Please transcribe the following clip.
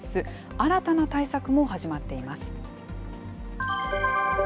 新たな対策も始まっています。